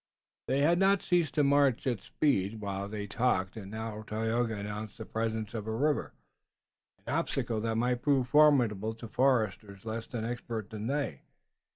They had not ceased to march at speed, while they talked, and now Tayoga announced the presence of a river, an obstacle that might prove formidable to foresters less expert than they.